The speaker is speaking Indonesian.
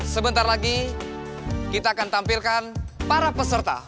sebentar lagi kita akan tampilkan para peserta